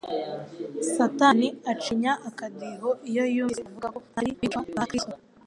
Satani acinya akadiho iyo yumvise abavuGa ko ari abigishwa ba Kristo